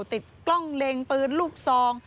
ติดกล้องเล็งปืนลูกซอง